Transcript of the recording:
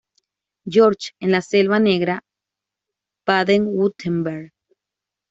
Georgen en la Selva Negra, Baden-Wurtemberg.